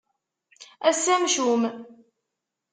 Ass amcum.